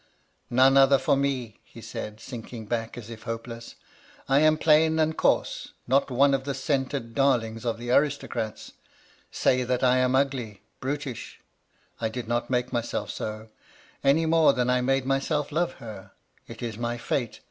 "* None other for me/ he said, sinking back as if hopeless. ^ I am plain and coarse, not one of the scented darlings of the aristocrats. Say that I am ugly, brutish ; I did not make myself so, any more than I made myself love her. It is my fate.